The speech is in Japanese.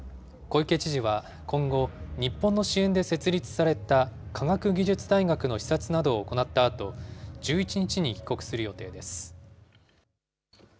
小池知事は今後、日本の支援で設立された科学技術大学の視察などを行ったあと、１１日に帰国する予定です。